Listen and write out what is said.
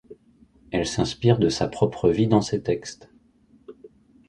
Elle s’inspire de sa propre vie dans ses textes.